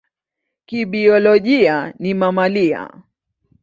Kibiolojia ni mamalia.